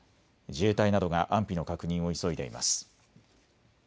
自衛隊などが安否の確認を急いでいます。